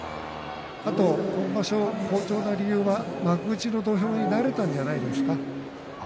あと今場所、好調の理由は幕内の土俵に慣れたんじゃないですか。